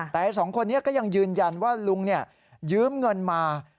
แต่สองคนนี้ก็ยังยืนยันว่าลุงยืมเงินมา